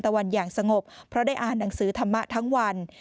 วันอย่างสงบเพราะได้อ่านหนังสือธรรมะทั้งวัน